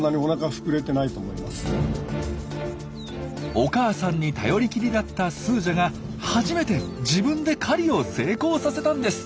お母さんに頼りきりだったスージャが初めて自分で狩りを成功させたんです！